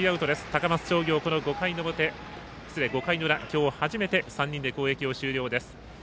高松商業この５回の裏、今日初めて３人で攻撃終了です。